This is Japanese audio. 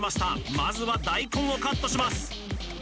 まずは大根をカットします